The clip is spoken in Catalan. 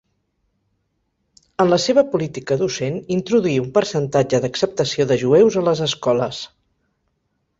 En la seva política docent introduí un percentatge d'acceptació de jueus a les escoles.